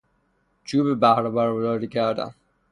چوب بهرهبرداری کردن